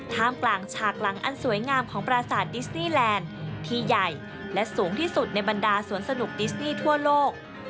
มกลางฉากหลังอันสวยงามของปราสาทดิสนีแลนด์ที่ใหญ่และสูงที่สุดในบรรดาสวนสนุกดิสนี่ทั่วโลก